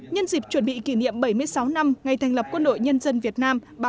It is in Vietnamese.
nhân dịp chuẩn bị kỷ niệm bảy mươi sáu năm ngày thành lập quân đội nhân dân việt nam